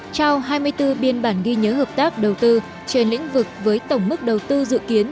trao hai mươi bốn biên bản ghi nhớ hợp tác đầu tư trên lĩnh vực với tổng mức đầu tư dự kiến